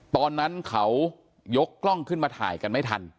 ตอนนั้นเขายกกล้องขึ้นมาถ่ายกันไม่ทัน